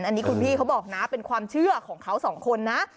อันนี้คุณพี่เขาบอกนะเป็นความเชื่อของเขาสองคนนะ